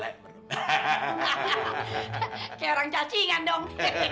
kayak orang cacingan dong